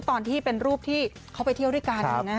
ตอนที่เป็นรูปที่เขาไปเที่ยวด้วยกัน